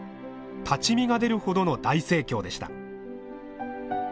立ち見が出るほどの大盛況でした。